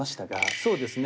そうですね。